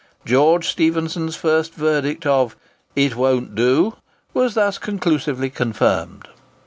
George Stephenson's first verdict of "It won't do," was thus conclusively confirmed.